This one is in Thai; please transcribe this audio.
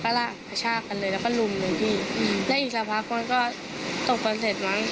ล่ะกระชากกันเลยแล้วก็ลุมเลยพี่อืมแล้วอีกสักพักมันก็ตบกันเสร็จมั้ง